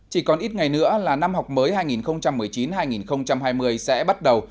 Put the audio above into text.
chỉ còn ít ngày nữa là năm học mới hai nghìn một mươi chín hai nghìn hai mươi sẽ bắt đầu